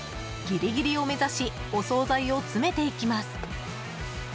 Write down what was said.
ギリギリを目指しお総菜を詰めていきます。